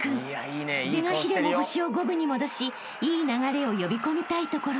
［是が非でも星を五分に戻しいい流れを呼び込みたいところ］